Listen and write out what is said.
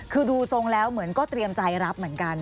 คือดูทรงแล้วเหมือนก็เตรียมใจรับเหมือนกัน